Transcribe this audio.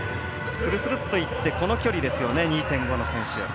するするっといってこの距離ですね、２．５の選手。